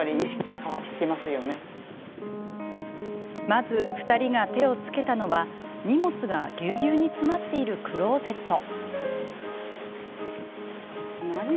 まず２人が手をつけたのは荷物が、ぎゅうぎゅうに詰まっているクローゼット。